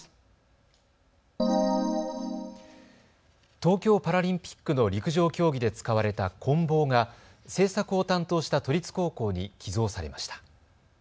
東京パラリンピックの陸上競技で使われたこん棒が製作を担当した都立高校に寄贈されました。